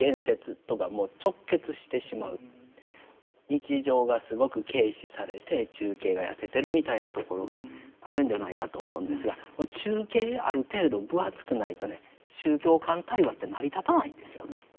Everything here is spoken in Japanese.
日常がすごく軽視されて中景が痩せてるみたいなところがあるんじゃないかと思うんですが中景ある程度分厚くないとね宗教間対話って成り立たないんですよね。